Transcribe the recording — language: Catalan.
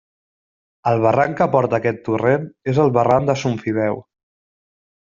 El barranc que porta aquest torrent, és el barranc de Son Fideu.